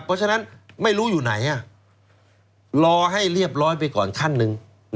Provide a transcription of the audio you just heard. เพราะฉะนั้นไม่รู้อยู่ไหนรอให้เรียบร้อยไปก่อนขั้นหนึ่ง